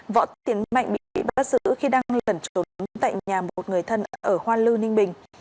võ tiến mạnh bị bắt giữ khi đang lẩn trốn tại nhà một người thân ở hoa lư ninh bình